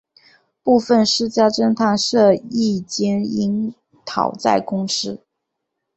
部份私家侦探社亦兼营讨债公司。